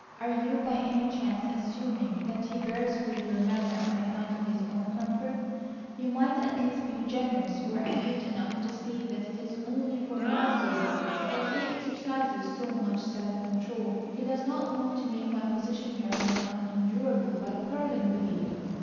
Are you by any chance assuming that he bears with your manner on account of his own comfort? You might at least be generous or acute enough to see that it is only for my sake that he exercises so much self control. He does not want to make my position here more unendurable by quarrelling with you.